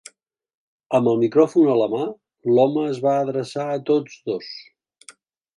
Amb el micròfon a la mà, l’home es va adreçar a tots dos.